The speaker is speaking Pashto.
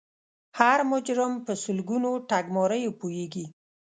هر مجرم په سلګونو ټګماریو پوهیږي